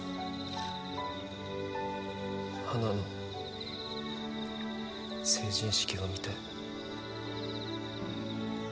はなの成人式が見たい。